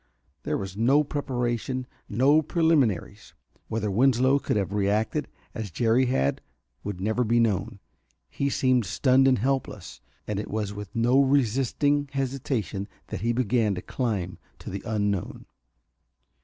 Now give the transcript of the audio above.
There was no preparation no preliminaries. Whether Winslow could have reacted as Jerry had would never be known. He seemed stunned and helpless, and it was with no resisting hesitation that he began the climb to the unknown.